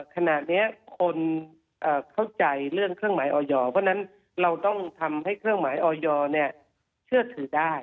ขณะนี้คนเข้าใจเรื่องเครื่องหมายออยอร์เพราะฉะนั้นเราต้องทำให้เครื่องหมายออยอร์เชื่อถือได้